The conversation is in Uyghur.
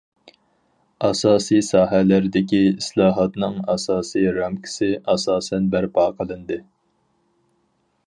ئاساسىي ساھەلەردىكى ئىسلاھاتنىڭ ئاساسىي رامكىسى ئاساسەن بەرپا قىلىندى.